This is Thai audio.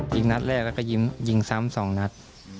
ยิงนัสแรกแล้วก็ยิงสองนัส